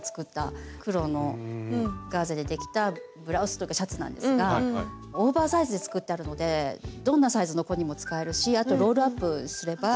黒のガーゼでできたブラウスというかシャツなんですがオーバーサイズで作ってあるのでどんなサイズの子にも使えるしあとロールアップすれば。